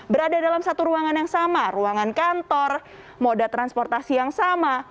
berada dalam satu ruangan yang sama ruangan kantor moda transportasi yang sama